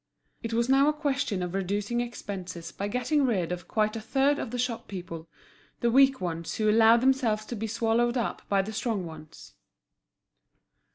It was now a question of reducing expenses by getting rid of quite a third of the shop people, the weak ones who allowed themselves to be swallowed up by the strong ones.